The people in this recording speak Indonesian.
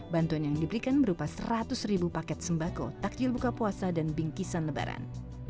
bantuan yang diberikan berupa seratus ribu paket sembako takjil buka puasa dan bingkisan lebaran